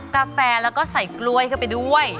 กาแฟแล้วก็ใส่กล้วยเข้าไปด้วย